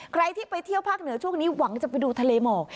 ใครที่ไปเที่ยวภาคเหนือช่วงนี้หวังจะไปดูทะเลหมอก